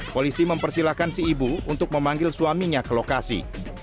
polisi mempersilahkan si ibu untuk memanggil suaminya ke lokasi